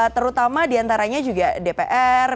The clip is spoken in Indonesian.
terutama diantaranya juga dpr